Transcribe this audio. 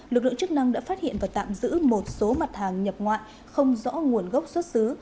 lực lượng chức năng đã phát hiện và tạm giữ một số mặt hàng nhập ngoại không rõ nguồn gốc xuất xứ